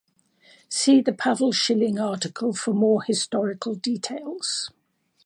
See the Pavel Schilling article for more historical details.